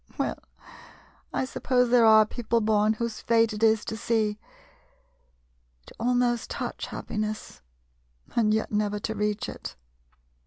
" Well, I suppose there are people born whose fate it is to see, to almost touch happiness, and yet never to reach it.